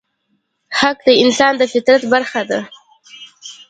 حق د انسان د فطرت برخه ده.